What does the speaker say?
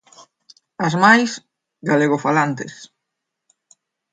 As máis, galegofalantes.